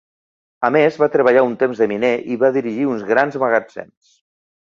A més, va treballar un temps de miner i va dirigir uns grans magatzems.